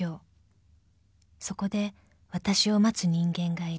［そこでわたしを待つ人間がいる］